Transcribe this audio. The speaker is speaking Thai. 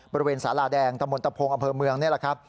บริเวณสาลาแดงตะมนตะพงอำเภอเมืองนี่แหละครับ